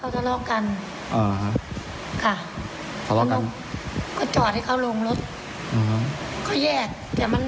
จันรถมันมอนทรัยจะรุ่ง